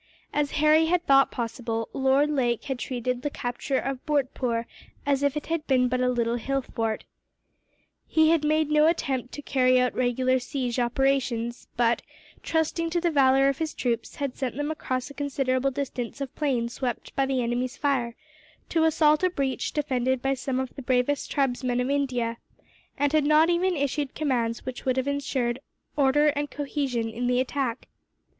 As Harry had thought possible, Lord Lake had treated the capture of Bhurtpoor as if it had been but a little hill fort. He had made no attempt to carry out regular siege operations but, trusting to the valour of his troops, had sent them across a considerable distance of plain swept by the enemy's fire, to assault a breach defended by some of the bravest tribesmen of India; and had not even issued commands which would have ensured order and cohesion in the attack.